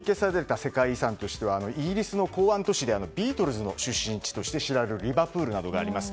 これで実際に登録が取り消された世界遺産としてはイギリスの港湾都市でビートルズの出身地として知られるリバプールなどがあります。